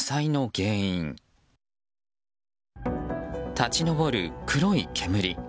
立ち上る黒い煙。